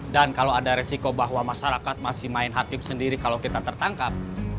kalau ada resiko bahwa masyarakat masih main hakim sendiri kalau kita tertangkap